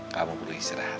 kamu perlu istirahat